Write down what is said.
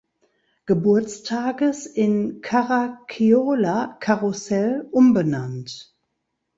Geburtstages in "Caracciola-Karussell" umbenannt.